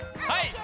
はい！